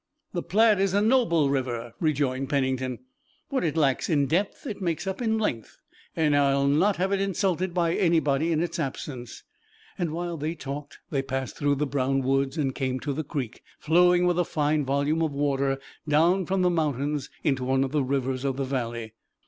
"The Platte is a noble river," rejoined Pennington. "What it lacks in depth it makes up in length, and I'll not have it insulted by anybody in its absence." While they talked they passed through the brown woods and came to the creek, flowing with a fine volume of water down from the mountains into one of the rivers of the valley.